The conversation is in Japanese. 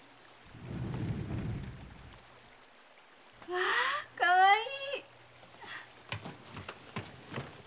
・わかわいい。